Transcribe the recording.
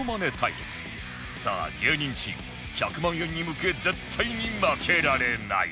さあ芸人チーム１００万円に向け絶対に負けられない